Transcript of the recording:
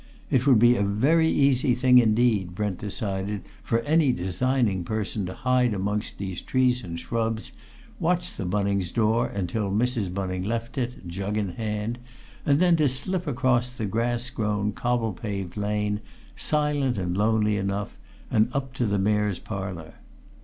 It would be a very easy thing indeed, Brent decided, for any designing person to hide amongst these trees and shrubs, watch the Bunnings' door until Mrs. Bunning left it, jug in hand, and then to slip across the grass grown, cobble paved lane, silent and lonely enough, and up to the Mayor's Parlour.